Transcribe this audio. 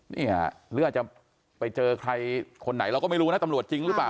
เนี่ยหรืออาจจะไปเจอใครคนไหนเราก็ไม่รู้นะตำรวจจริงหรือเปล่า